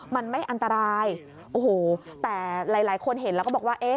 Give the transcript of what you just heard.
มันไม่อันตรายโอ้โหแต่หลายคนเห็นแล้วก็บอกว่าเอ๊ะ